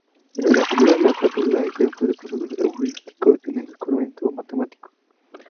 En la primera, Lakatos da ejemplos del proceso heurístico en el descubrimiento matemático.